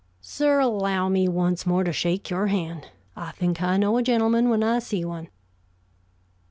Sir, allow me once more to shake your hand. I think I know a gentleman when I see one."